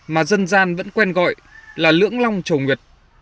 mà dân gian vẫn quen gọi là lưỡng long trầu nguyệt